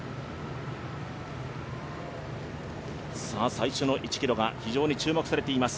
最初の１ｋｍが非常に注目されています。